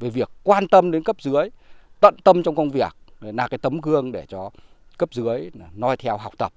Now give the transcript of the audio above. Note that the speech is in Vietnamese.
về việc quan tâm đến cấp dưới tận tâm trong công việc là cái tấm gương để cho cấp dưới noi theo học tập